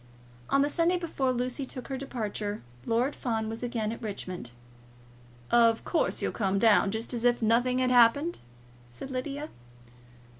On the Sunday before Lucy took her departure, Lord Fawn was again at Richmond. "Of course, you'll come down, just as if nothing had happened," said Lydia.